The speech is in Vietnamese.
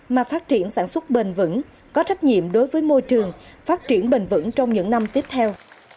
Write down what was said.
mà phát triển sản xuất bền vững có trách nhiệm đối với môi trường phát triển bền vững trong những năm tiếp theo